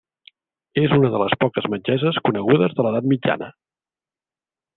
És una de les poques metgesses conegudes de l'Edat Mitjana.